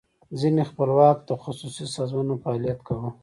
ځینې خپلواکي تخصصي سازمانونو فعالیت کاو.